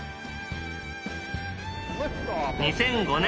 ２００５年